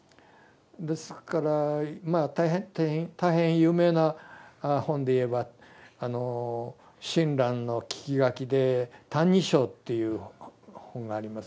ですから大変有名な本で言えば親鸞の聞き書きで「歎異抄」っていう本があります。